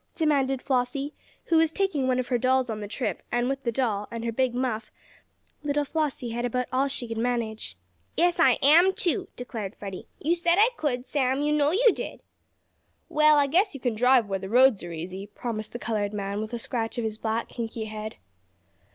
demanded Flossie, who was taking one of her dolls on the trip, and with the doll, and her big muff, little Flossie had about all she could manage. "Yes, I am too," declared Freddie. "You said I could, Sam; you know you did!" "Well I guess you kin drive, where the roads are easy," promised the colored man, with a scratch of his black, kinky head.